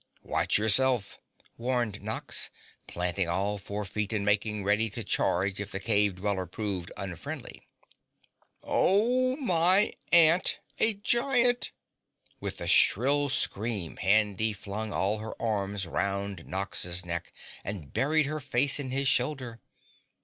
"Watch yourself!" warned Nox, planting all four feet and making ready to charge if the cave dweller proved unfriendly. "Oh, my aunt a GIANT!" With a shrill scream Handy flung all her arms round Nox's neck and buried her face in his shoulder.